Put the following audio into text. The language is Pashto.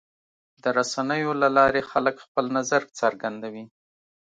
د رسنیو له لارې خلک خپل نظر څرګندوي.